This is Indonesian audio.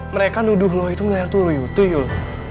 mereka nuduh lo itu gak yg artu lo yuti yuk